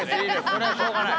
それはしょうがない。